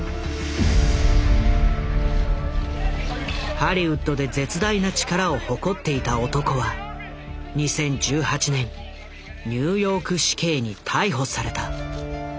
ハリウッドで絶大な力を誇っていた男は２０１８年ニューヨーク市警に逮捕された。